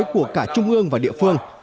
của cả trung ương và địa phương